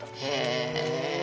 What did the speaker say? へえ。